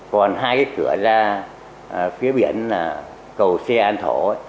còn hai cái cửa ra phía biển là cầu xe an thổ